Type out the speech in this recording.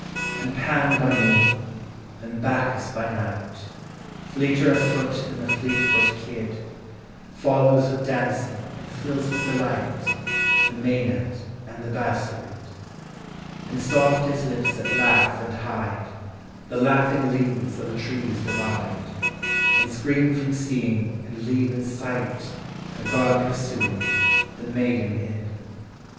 And Pan by noon and Bacchus by night, Fleeter of foot than the fleet foot kid, Follows with dancing and fills with delight The Maenad and the Bassarid; And soft as lips that laugh and hide, The laughing leaves of the trees divide, And screen from seeing and leave in sight The god pursuing, the maiden hid.